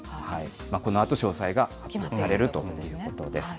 このあと詳細が発表されるということです。